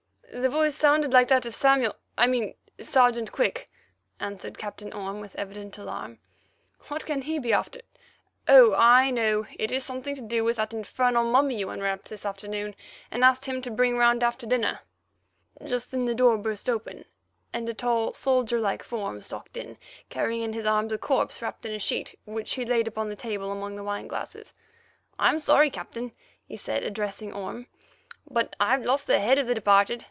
"The voice sounded like that of Samuel—I mean Sergeant Quick," answered Captain Orme with evident alarm; "what can he be after? Oh, I know, it is something to do with that infernal mummy you unwrapped this afternoon, and asked him to bring round after dinner." Just then the door burst open, and a tall, soldier like form stalked in, carrying in his arms a corpse wrapped in a sheet, which he laid upon the table among the wine glasses. "I'm sorry, Captain," he said, addressing Orme, "but I've lost the head of the departed.